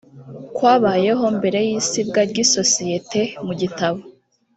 kwabayeho mbere y’isibwa ry’isosiyete mu gitabo